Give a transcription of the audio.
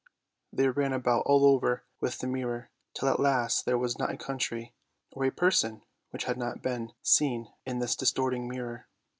They ran about all over with the mirror, till at last there was not a country or a person which had not been seen in this distorting mirror.